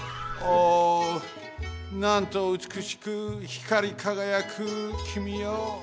なんとうつくしくひかりかがやくきみよ！